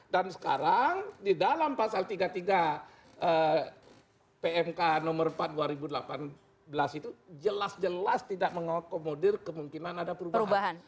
dan sekarang di dalam pasal tiga puluh tiga pmk nomor empat dua ribu delapan belas itu jelas jelas tidak mengakomodir kemungkinan ada perubahan